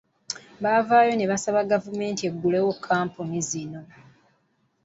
Baavaayo ne basaba gavumenti eggulewo kkampuni zino .